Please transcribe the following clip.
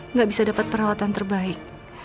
nggak bisa dapat perawatan terbaik